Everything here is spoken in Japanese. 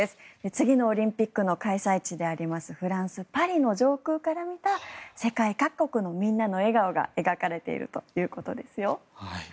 次のオリンピックの開催地であるフランス・パリの上空から見た世界各国のみんなの笑顔が描かれているということですよ。